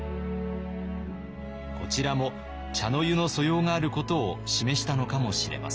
こちらも茶の湯の素養があることを示したのかもしれません。